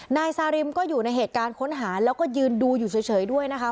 นายซาริมก็อยู่ในเหตุการณ์ค้นหาแล้วก็ยืนดูอยู่เฉยด้วยนะคะ